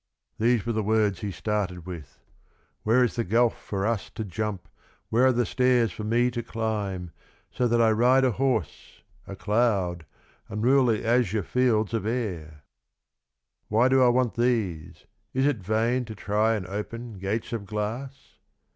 " these were the words he started with —" Where is the gulf for us to jump, where are the stairs for me to climb, so that I ride a horse, a cloud, and rule the azure fields of air ? Why do I want these, is it vain to try and open gates of glass?